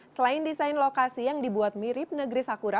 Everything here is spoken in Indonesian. selain desain lokasi yang dibuat mirip negeri sakura